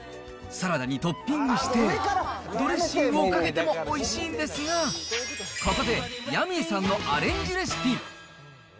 サラダにトッピングして、ドレッシングをかけてもおいしいんですが、ここで、ヤミーさんのアレンジレシピ。